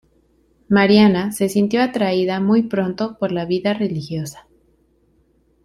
Mariana se sintió atraída muy pronto por la vida religiosa.